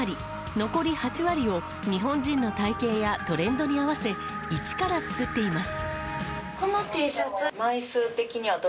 残り８割を日本人の体形やトレンドに合わせ一から作っています。